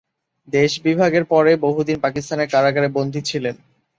দেশবিভাগের পরে বহুদিন পাকিস্তানের কারাগারে বন্দি ছিলেন।